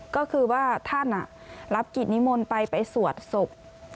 ก็คือว่าท่านรับกิจนิมนต์ไปไปสวดศพ